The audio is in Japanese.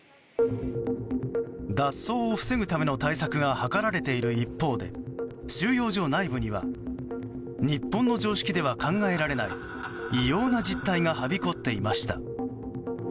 脱走を防ぐための対策が図られている一方で収容所内部には日本の常識では考えられない異様な実態がはびこっていました。